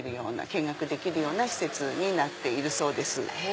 見学できるような施設になっているそうです。